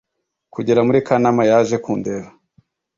kugera muri Kanama yaje kundeba